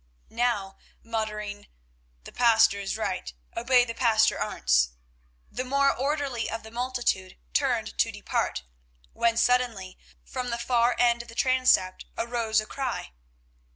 Now muttering, "The pastor is right. Obey the Pastor Arentz," the more orderly of the multitude turned to depart, when suddenly, from the far end of the transept, arose a cry.